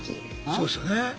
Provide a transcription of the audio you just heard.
そうですよね。